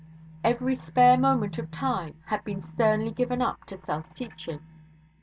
Every spare moment of time had been sternly given up to self teaching.